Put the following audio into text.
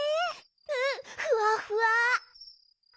うんふわっふわ。